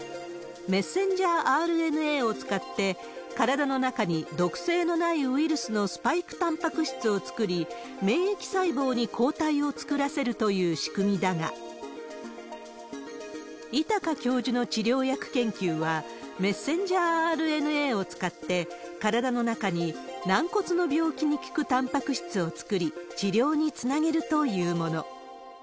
メッセンジャーＲＮＡを使って、体の中に毒性のないウイルスのスパイクたんぱく質を作り、免疫細胞に抗体を作らせるという仕組みだが、位高教授の治療薬研究は、メッセンジャーＲＮＡを使って、体の中に軟骨の病気に効くたんぱく質を作り、治療につなげるというもの。